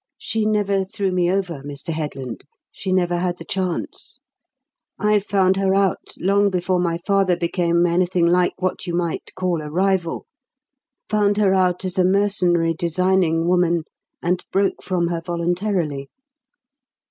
"She never threw me over, Mr. Headland; she never had the chance. I found her out long before my father became anything like what you might call a rival, found her out as a mercenary, designing woman, and broke from her voluntarily.